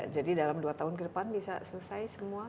jadi dalam dua tahun ke depan bisa selesai semua